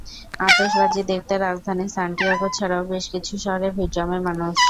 আতশবাজি দেখতে রাজধানী সান্টিয়াগো ছাড়াও বেশ কিছু শহরে ভিড় জমায় মানুষ।